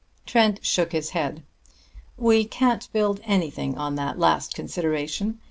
Trent shook his head. "We can't build anything on that last consideration.